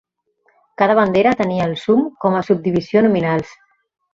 Cada bandera tenia el sum com a subdivisió nominals.